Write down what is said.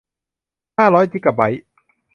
ห้าร้อยจิกะไบต์